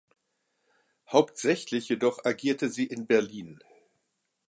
Hauptsächlich jedoch agierte sie in Berlin.